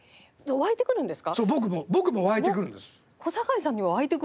湧いてくるんですか？